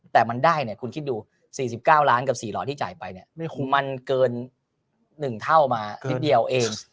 แต่มันได้เนี่ยคุณคิดดู๔๙ล้านกับ๔หล่อที่จ่ายไปเนี่ยมันเกิน๑เท่ามานิดเดียวเอง